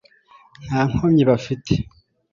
nta nkomyi bafite